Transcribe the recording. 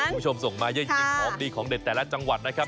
คุณผู้ชมส่งมาเยอะจริงของดีของเด็ดแต่ละจังหวัดนะครับ